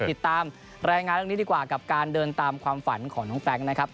ติดตามรายงานเรื่องนี้ดีกว่ากับการเดินตามความฝันของน้องแฟรงค์นะครับ